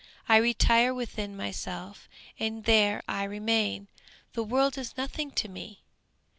I retire within myself, and there I remain. The world is nothing to me!"